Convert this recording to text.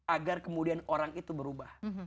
agar kemudian orang itu berubah